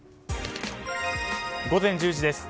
午前１０時です。